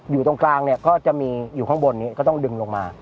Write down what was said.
อยู่ตรงกลางเนี่ยก็จะมีอยู่ข้างบนนี้ก็ต้องดึงลงมา